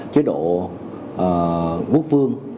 chế độ quốc vương